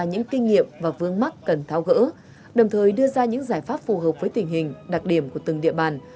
những kinh nghiệm và vương mắc cần tháo gỡ đồng thời đưa ra những giải pháp phù hợp với tình hình đặc điểm của từng địa bàn